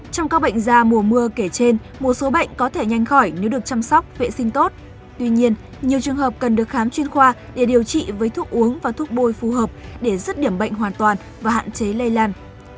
trong các bệnh da mùa mưa kể trên một số bệnh có thể nhanh khỏi nếu được chăm sóc vệ sinh tốt tuy nhiên nhiều trường hợp cần được khám chuyên khoa để điều trị với thuốc uống và thuốc bôi phù hợp để rứt điểm bệnh hoàn toàn và hạn chế lây lan